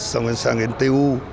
xong rồi sang đến t u